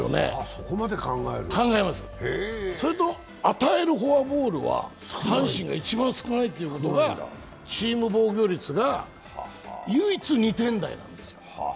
そこまで考えます、それと与えるフォアボールは阪神が一番少ないということがチーム防御率が唯一、２点台なんです。